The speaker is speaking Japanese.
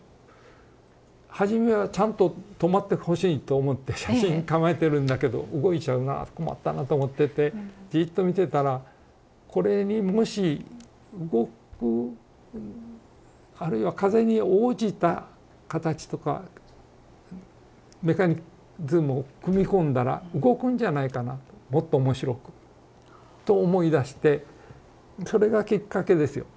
はじめはちゃんと止まってほしいと思って写真構えてるんだけど動いちゃうな困ったなとと思っててじっと見てたらこれにもし動くあるいは風に応じた形とかメカニズムを組み込んだら動くんじゃないかなもっと面白くと思いだしてそれがきっかけですよ